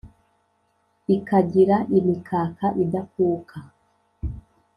Ikagira imikaka idakuka;